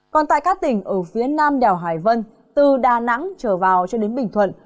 còn tại các tỉnh ở phía nam đèo hải vân từ đà nẵng trở vào cho đến bình thuận